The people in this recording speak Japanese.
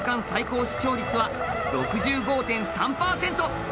最高視聴率は６５．３％。